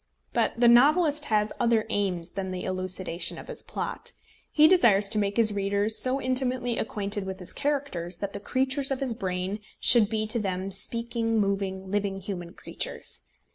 But the novelist has other aims than the elucidation of his plot. He desires to make his readers so intimately acquainted with his characters that the creatures of his brain should be to them speaking, moving, living, human creatures.